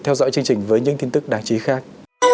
theo dõi chương trình với những tin tức đáng chí khác